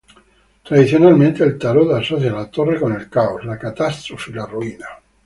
Tradicionalmente el tarot asocia la Torre con el caos, la catástrofe y la ruina.